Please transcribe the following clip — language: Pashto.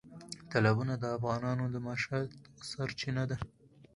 تالابونه د افغانانو د معیشت سرچینه ده.